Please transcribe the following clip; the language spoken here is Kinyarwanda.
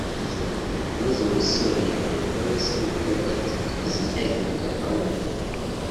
Maze umusore ahita abaza se w’umukobwa ati ”Tugize ibyago inda ikavamo